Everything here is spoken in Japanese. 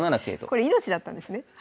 これ命だったんですね。